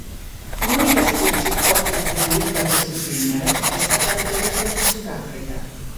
L'unica specie oggi attribuita a questo genere è stata reperita in Sudafrica.